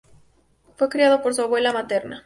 Fue criado por su abuela materna.